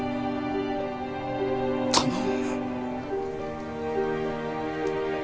頼む。